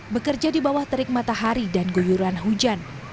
bekerja di bawah terik matahari dan guyuran hujan